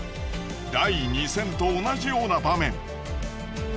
第２戦と同じような場面。